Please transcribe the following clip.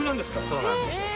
そうなんですよ。